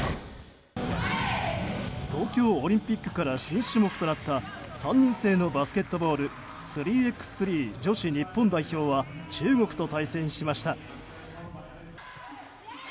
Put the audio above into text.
東京オリンピックから新種目となった３人制のバスケットボール３ｘ３、女子日本代表は中国と対戦しました。